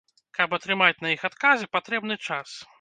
Каб атрымаць на іх адказы, патрэбны час.